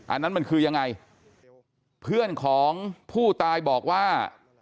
อันนั้นมันคือยังไงเพื่อนของผู้ตายบอกว่า